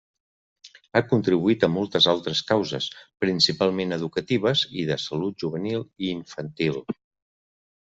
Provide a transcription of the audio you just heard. Ha contribuït a moltes altres causes, principalment educatives i de salut juvenil i infantil.